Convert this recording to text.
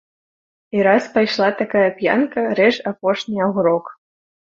І раз пайшла такая п'янка, рэж апошні агурок.